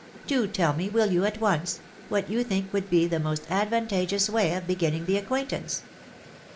Do tell me, will you, at once, what you think would be the most advantageous way of beginning the acquaintance